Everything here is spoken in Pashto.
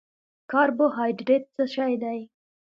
کاربوهایډریټ څه شی دی؟